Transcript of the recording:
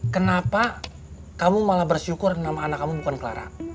kenapa kamu malah bersyukur nama anak kamu bukan clara